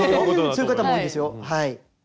そういう方も多いですよはい。